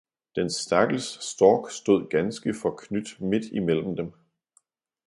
den stakkels stork stod ganske forknyt midt imellem dem.